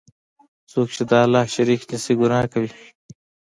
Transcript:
څوک چی د الله شریک نیسي، ګناه کوي.